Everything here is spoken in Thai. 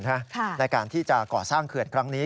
ในการที่จะก่อสร้างเขื่อนครั้งนี้